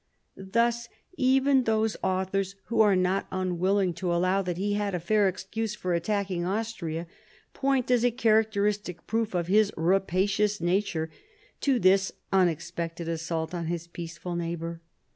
Thus, even those authors who are not unwilling to allow that he had a fair excuse for attacking Austria, point, as a character istic proof of his rapacious nature, to this unexpected assault on his peaceful neighbour.